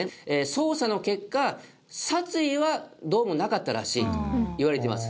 捜査の結果殺意はどうもなかったらしいといわれてます。